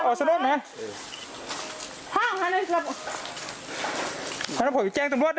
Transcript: อันสรรค์นี้สิวิตาดิ